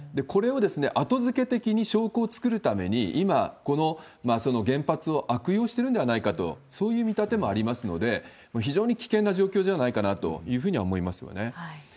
これを後付け的に証拠を作るために今、その原発を悪用してるんではないかと、そういう見立てもありますので、非常に危険な状況じゃないかなというふうに思いますね。